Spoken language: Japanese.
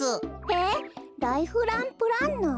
えっライフランプランナー？